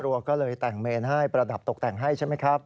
ก็เลยแต่งเมนให้ประดับตกแต่งให้ใช่ไหมครับ